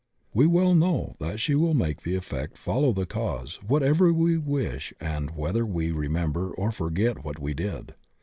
We well know that she will make the effect follow the cause whatever we wish and whether we remember or forget what we did.